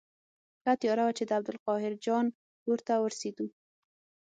ښه تیاره وه چې د عبدالقاهر جان کور ته ورسېدو.